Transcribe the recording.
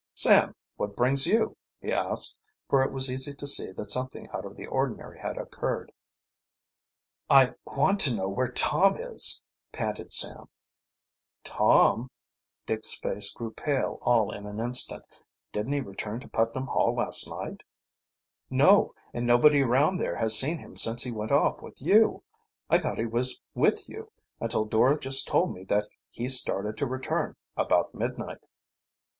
"Sam, what brings you?" he asked, for it was easy to see that something out of the ordinary had occurred. "I want to know where Tom is," panted Sam. "Tom?" Dick's face grew pale all in an instant. "Didn't he return to Putnam Hall last night?" "No, and nobody around there has seen him since he went off with you. I thought he was with you, until Dora just told me that he started to return about midnight."